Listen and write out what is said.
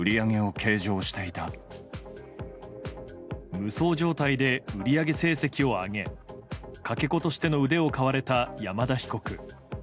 無双状態で売り上げ成績を上げかけ子としての腕を買われた山田被告。